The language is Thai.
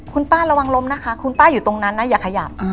คุณป้าระวังล้มนะคะคุณป้าอยู่ตรงนั้นนะอย่าขยับ